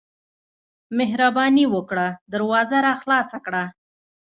مهرباني وکړه دروازه راخلاصه کړه.